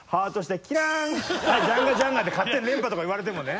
「はいジャンガジャンガ」で勝手に連覇とか言われてもね。